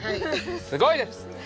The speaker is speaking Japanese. すごいです！